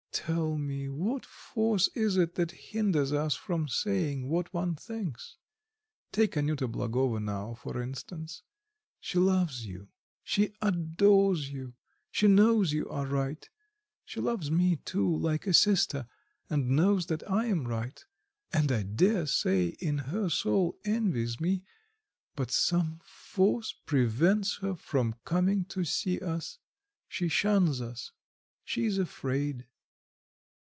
Tell me what force is it that hinders us from saying what one thinks? Take Anyuta Blagovo now, for instance. She loves you, she adores you, she knows you are right, she loves me too, like a sister, and knows that I am right, and I daresay in her soul envies me, but some force prevents her from coming to see us, she shuns us, she is afraid."